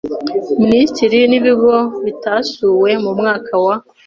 Minisiteri n Ibigo bitasuwe mu mwaka wa